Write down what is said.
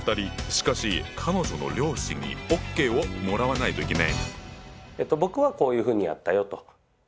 しかし彼女の両親にＯＫをもらわないといけない。